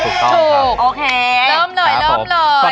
ถูกโอเคเริ่มเลยเริ่มเลย